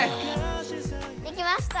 できました。